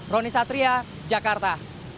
roni satria jakarta